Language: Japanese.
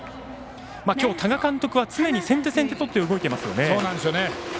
今日、多賀監督は常に先手先手を取って動いていますよね。